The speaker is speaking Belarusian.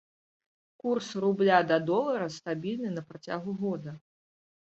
Курс рубля да долара стабільны на працягу года.